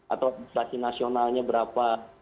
atau inflasi nasionalnya berapa